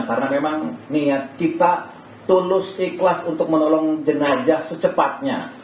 karena memang niat kita tulus ikhlas untuk menolong jenajah secepatnya